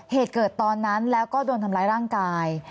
เหตุเกิดตอนนั้นแล้วก็โดนทำร้ายร่างกาย